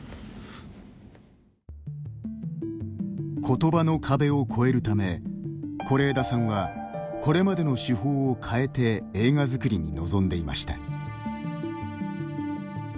ことばの壁を越えるため是枝さんはこれまでの手法を変えて映画作りに臨んでいました。